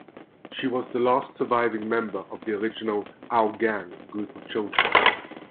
She was the last surviving member of the original "Our Gang" group of children.